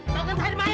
tangan saya dimalikan